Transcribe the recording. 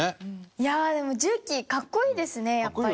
いやあでも重機格好いいですねやっぱり。